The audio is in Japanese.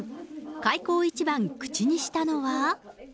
開口一番、口にしたのは。